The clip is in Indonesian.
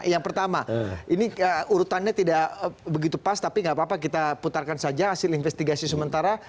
yang pertama ini urutannya tidak begitu pas tapi nggak apa apa kita putarkan saja hasil investigasi sementara